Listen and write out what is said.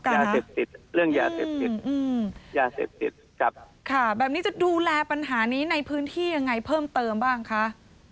ค่ะแบบนี้จะดูแลปัญหานี้ในพื้นที่ยังไงเพิ่มเติมบ้างคะ